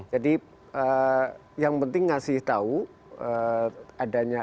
jadi yang penting ngasih tahu adanya